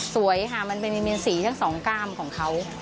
สวยค่ะมันเป็นนิมินสีทั้งสองก้ามของเขา